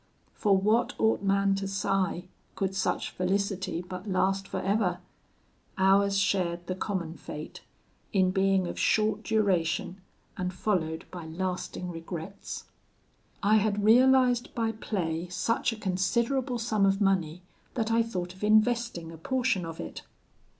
For what ought man to sigh, could such felicity but last for ever? Ours shared the common fate in being of short duration, and followed by lasting regrets. "I had realised by play such a considerable sum of money, that I thought of investing a portion of it.